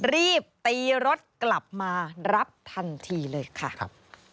รีบตีรถกลับมารับทันทีเลยค่ะครับ